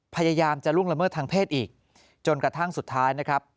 พยายามจะล่วงละเมิดทางเพศอีกจนกระทั่งสุดท้ายนะครับ